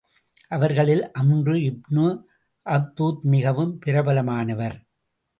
அவர்களில் அம்ரு இப்னு அப்தூத் மிகவும் பிரபலமானவர்.